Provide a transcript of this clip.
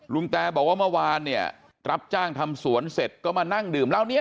แตบอกว่าเมื่อวานเนี่ยรับจ้างทำสวนเสร็จก็มานั่งดื่มเหล้านี้